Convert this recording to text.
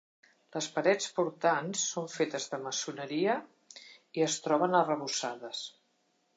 Les parets portants són fetes de maçoneria i es troben arrebossades.